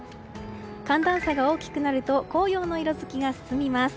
寒暖差が大きくなると紅葉の色づきが進みます。